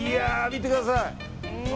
見てください。